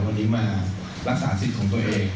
วันนี้มารักษาสิทธิ์ของตัวเอง